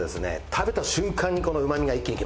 食べた瞬間にこのうまみが一気にきますね